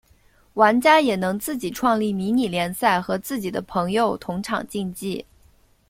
玩家也能自己创立迷你联赛和自己的朋友同场竞技。